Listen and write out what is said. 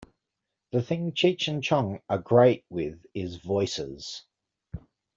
The thing Cheech and Chong are great with is voices.